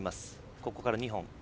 ここから２本。